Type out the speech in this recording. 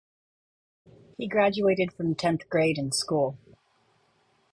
He graduated from tenth grade in school.